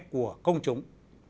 của công chúng